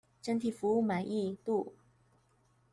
整體服務滿意度